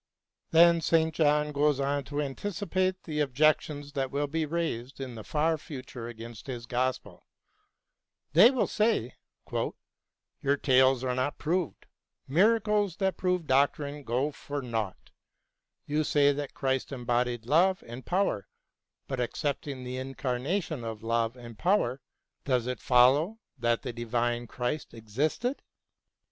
Then St. John goes on to anticipate the objec tions which will be raised in the far future against his gospel. They will say, " Your tales are not proved — miracles that prove doctrine go for naught. You say that Christ embodied love and power ; but, accepting the incarnation of love and power, does it follow that the divine Christ existed